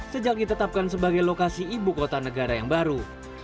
sejak ditetapkan sebagai lokasi ibu kota negara yang baru